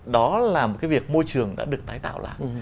đó là một cái việc môi trường đã được tái tạo lại